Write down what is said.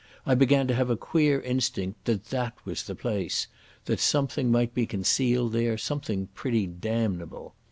I began to have a queer instinct that that was the place, that something might be concealed there, something pretty damnable.